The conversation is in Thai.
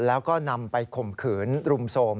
แล้วก็นำไปข่มขืนรุมโทรม